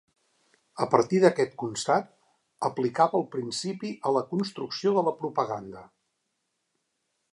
A partir d'aquest constat, aplicava el principi a la construcció de la propaganda.